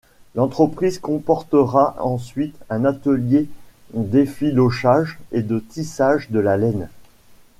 L'entreprise comportera ensuite un atelier d'effilochage et de tissage de la laine.